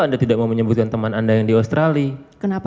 anda tidak mau menyebutkan teman anda yang di australia kenapa